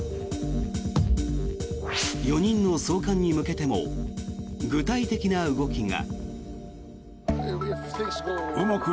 ４人の送還に向けても具体的な動きが。